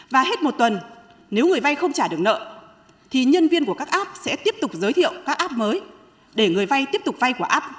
và hết một tuần nếu người vay không trả được nợ thì nhân viên của các app sẽ tiếp tục giới thiệu các app mới để người vay tiếp tục vay của app